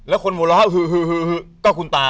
แล้วคนโมร้าฮือก็คุณตา